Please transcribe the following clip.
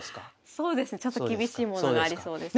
そうですねちょっと厳しいものがありそうですね。